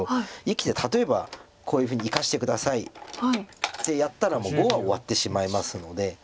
生きて例えばこういうふうに生かして下さいってやったらもう碁が終わってしまいますので。